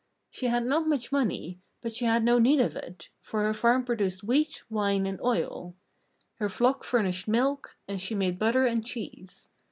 She had not much money, but she had no need of it, for her farm produced wheat, wine, and oil; her flocks furnished milk; and she made butter and cheese.